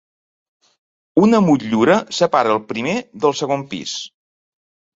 Una motllura separa el primer del segon pis.